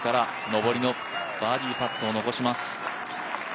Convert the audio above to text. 上りのバーディーパットを残します。